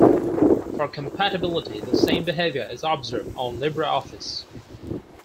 For compatibility, the same behavior is observed on LibreOffice.